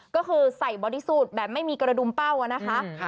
ก็คือใส่บอดี้สูตรแบบไม่มีกระดุมเป้านะคะ